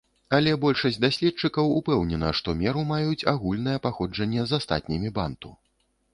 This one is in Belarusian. Але большасць даследчыкаў упэўнена, што меру маюць агульнае паходжанне з астатнімі банту.